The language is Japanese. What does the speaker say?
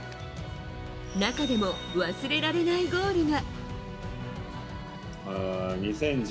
中でも忘れられないゴールが。